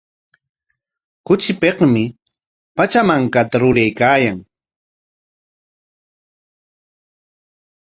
Kuchipikmi Pachamankata ruraykaayan.